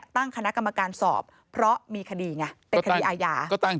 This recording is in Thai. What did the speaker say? ตั้งคณะกรรมการสอบเพราะมีคดีไงเป็นคดีอาญา